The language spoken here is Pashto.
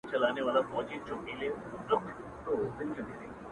دلته مستي ورانوي دلته خاموشي ورانوي،